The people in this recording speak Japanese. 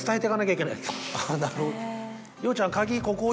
なるほど。